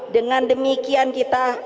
dengan demikian kita